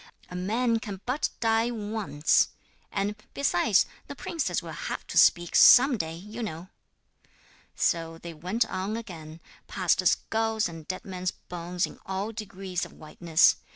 'A man can but die once. And, besides, the princess will have to speak some day, you know.' So they went on again, past skulls and dead men's bones in all degrees of whiteness.